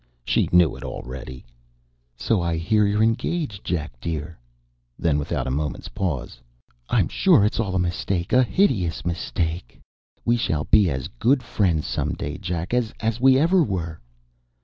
She knew it already. "So I hear you're engaged, Jack dear." Then, without a moment's pause: "I'm sure it's all a mistake a hideous mistake. We shall be as good friends some day, Jack, as we ever were."